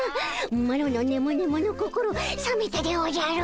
マロのねむねむの心さめたでおじゃる。